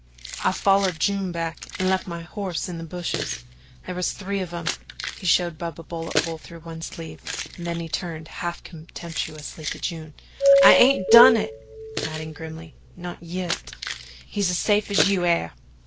"I follered June back an' left my hoss in the bushes. There was three of 'em." He showed Bub a bullet hole through one sleeve and then he turned half contemptuously to June: "I hain't done it" adding grimly "not yit. He's as safe as you air.